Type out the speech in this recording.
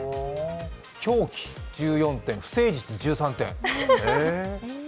狂気１４点、不誠実１３点、へぇ。